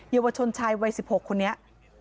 เยวชนชายวัย๑๖คนนี้ที่โดนฟันแขน